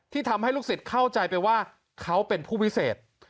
ทำให้ลูกศิษย์เข้าใจไปว่าเขาเป็นผู้วิเศษ